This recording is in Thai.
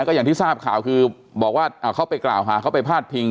ก็อย่างที่ทราบข่าวคือบอกว่าเขาไปกล่าวหาเขาไปพาดพิง